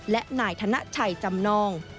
และนายธนชัยจำนอง